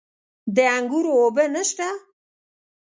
د انګورو اوبه نشته؟